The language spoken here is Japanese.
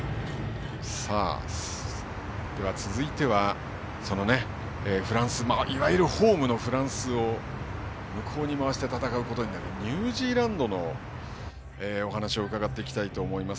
続いてはいわゆるホームのフランスを向こうに回して戦うことになるニュージーランドのお話を伺っていきたいと思います。